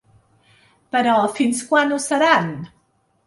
Però, fins quan ho seran?